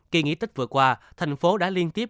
khi nghỉ tích vừa qua thành phố đã liên tiếp